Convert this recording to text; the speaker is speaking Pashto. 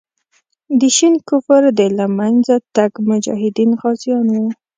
د شین کفر د له منځه تګ مجاهدین غازیان وو.